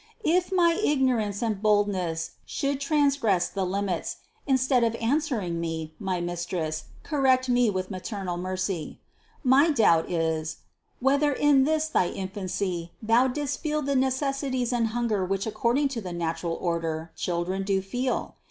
284 CITY OF GOD If my ignorance and boldness should transgress the lim its, instead of answering me, my Mistress, correct me with maternal mercy. My doubt is : Whether in this thy infancy Thou didst feel the necessities and hunger which according to the natural order, children do feel?